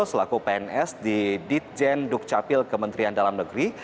selaku pns di ditjen dukcapil kementerian dalam negeri